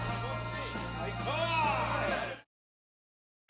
最高！